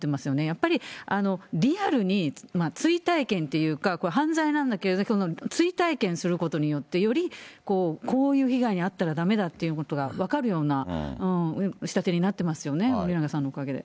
やっぱりリアルに追体験というか、犯罪なんだけど、追体験することによって、よりこういう被害に遭ったらだめだってことが分かるような仕立てになってますよね、森永さんのおかげで。